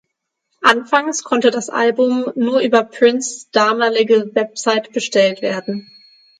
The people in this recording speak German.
Anfangs konnte das Album nur über Prince’ damalige Website bestellt werden.